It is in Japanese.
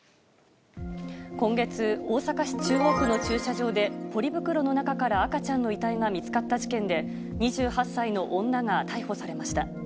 今月、大阪市中央区の駐車場でポリ袋の中から赤ちゃんの遺体が見つかった事件で、２８歳の女が逮捕されました。